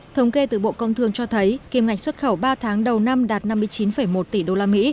thống kê từ bộ công thương cho thấy kiềm ngạch xuất khẩu ba tháng đầu năm đạt năm mươi chín một tỷ usd